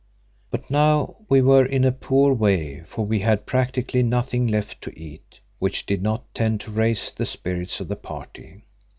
By now we were in a poor way, for we had practically nothing left to eat, which did not tend to raise the spirits of the party.